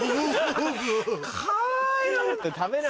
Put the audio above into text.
かわいいな。